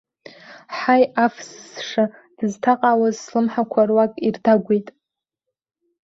Ҳаи, аф зысша, дызҭаҟаауаз слымҳақәа руак ирдагәеит.